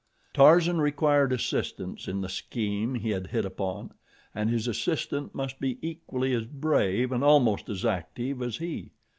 Tarzan required assistance in the scheme he had hit upon and his assistant must be equally as brave and almost as active as he.